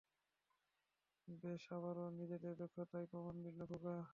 বেশ, আবারো নিজের দক্ষতার প্রমাণ দিলে, খোকা।